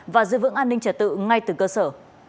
và giữ vững an ninh trả tự ngay từ cơ sở